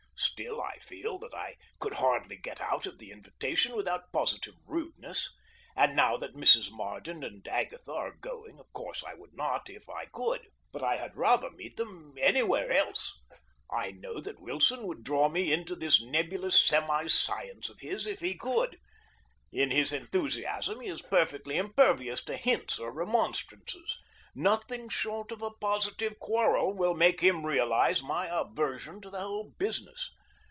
Still I feel that I could hardly get out of the invitation without positive rudeness; and, now that Mrs. Marden and Agatha are going, of course I would not if I could. But I had rather meet them anywhere else. I know that Wilson would draw me into this nebulous semi science of his if he could. In his enthusiasm he is perfectly impervious to hints or remonstrances. Nothing short of a positive quarrel will make him realize my aversion to the whole business.